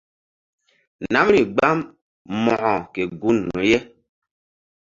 Namri gbam Mo̧ko ke gun.